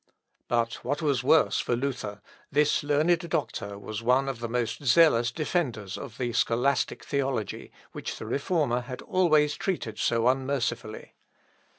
But what was worse for Luther, this learned doctor was one of the most zealous defenders of the scholastic theology, which the Reformer had always treated so unmercifully.